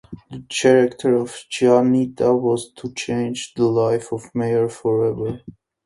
The character of Chianita was to change the life of Meyer forever.